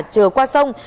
chờ qua sông